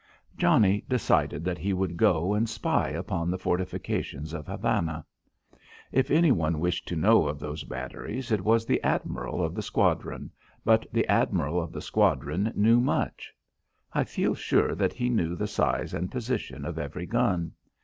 Johnnie decided that he would go and spy upon the fortifications of Havana. If any one wished to know of those batteries it was the admiral of the squadron, but the admiral of the squadron knew much. I feel sure that he knew the size and position of every gun.